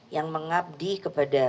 yang mengabdi kepada